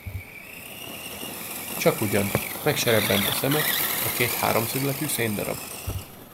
Csakugyan, meg se rebbent a szeme, a két háromszögletű széndarab.